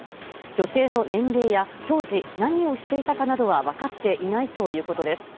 女性の年齢や当時何をしていたかなどは分かっていないということです。